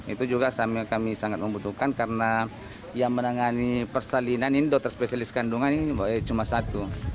itu juga kami sangat membutuhkan karena yang menangani persalinan ini dokter spesialis kandungan ini cuma satu